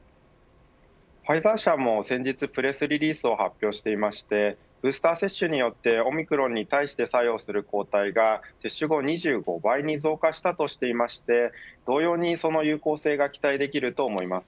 ファイザー製も先日、プレスリリースを発表してブースター接種によってオミクロンに対して作用する抗体が接種後２５倍に増加したとしていまして同様にその有効性が期待できると思います。